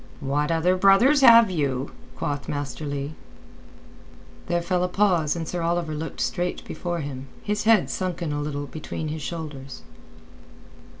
"What other brothers have you?" quoth Master Leigh. There fell a pause and Sir Oliver looked straight before him, his head sunken a little between his shoulders.